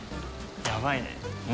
やばいね。